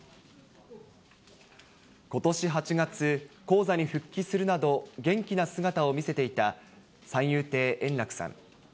ことし８月、高座に復帰するなど、元気な姿を見せていた三遊亭円楽さん。